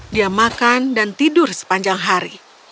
dia makan dan tidur sepanjang hari